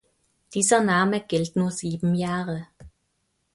Dieser Name gilt nur sieben Jahre.